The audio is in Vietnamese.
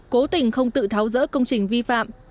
cố tình không tự tháo rỡ công trình vi phạm